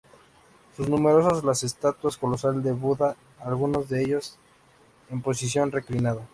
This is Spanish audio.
Son numerosas las estatuas colosales de Buda, algunas de ellas en posición reclinada.